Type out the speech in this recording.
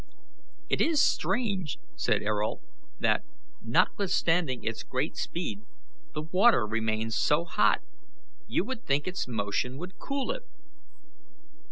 "It is strange," said Ayrault, "that, notwithstanding its great speed, the water remains so hot; you would think its motion would cool it."